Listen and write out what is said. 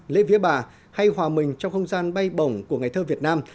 lễ vía bà hay hòa mình trong không gian